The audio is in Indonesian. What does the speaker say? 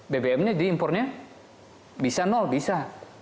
bbm nya jadi impornya bisa nol bisa